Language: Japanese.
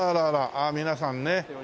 ああ皆さんね。